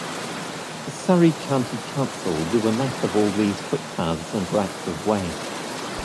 Surrey County Council do a map of all these footpaths and rights of way.